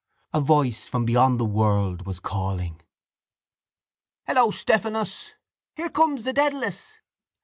A voice from beyond the world was calling. —Hello, Stephanos! —Here comes The Dedalus!